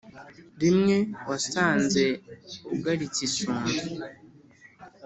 rimwe wasanze ugaritse isunzu.